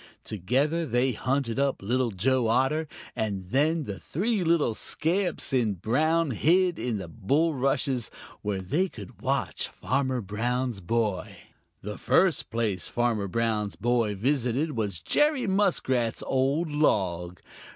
Together they hunted up Little Joe Otter, and then the three little scamps in brown hid in the bulrushes, where they could watch Farmer Brown's boy. The first place Farmer Brown's boy visited was Jerry Muskrat's old log.